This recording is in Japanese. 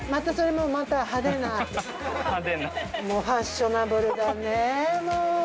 もうファッショナブルだねもう。